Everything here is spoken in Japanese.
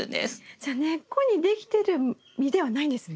じゃあ根っこにできてる実ではないんですね。